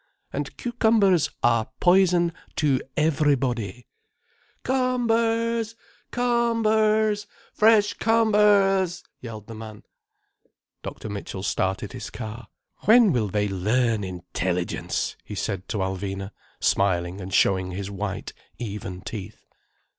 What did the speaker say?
And cucumbers are poison to everybody." "Cum bers! Cum bers! Fresh cumbers!" yelled the man, Dr. Mitchell started his car. "When will they learn intelligence?" he said to Alvina, smiling and showing his white, even teeth.